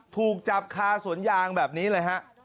ถูกจับคาสวนยางแบบนี้เลยฮะ